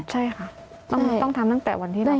ใช่ค่ะต้องทำตั้งแต่วันที่ได้